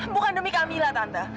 bukan demi kamila tante